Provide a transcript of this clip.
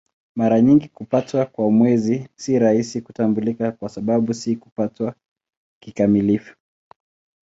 Mara nyingi kupatwa kwa Mwezi si rahisi kutambulika kwa sababu si kupatwa kikamilifu.